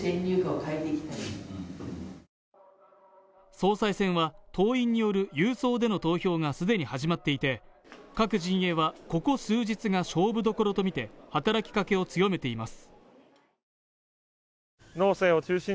総裁選は、党員による郵送での投票が既に始まっていて各陣営はここ数日が勝負どころと見て働きかけを強めています。